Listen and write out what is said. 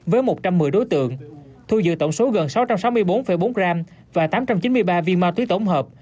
với một trăm một mươi đối tượng thu giữ tổng số gần sáu trăm sáu mươi bốn bốn g và tám trăm chín mươi ba viên ma túy tổng hợp